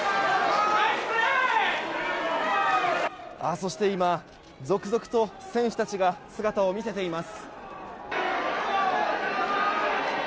そして今、続々と選手たちが姿を見せています。